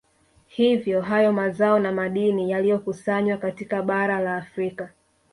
Hivyo hayo mazao na madini yaliyokusanywa katika bara la Afrika